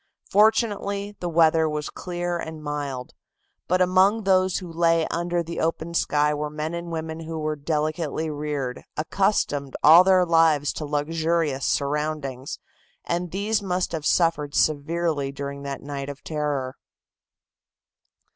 Fortunately, the weather was clear and mild, but among those who lay under the open sky were men and women who were delicately reared, accustomed all their lives to luxurious surroundings, and these must have suffered severely during that night of terror.